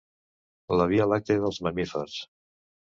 La via làctia dels mamífers.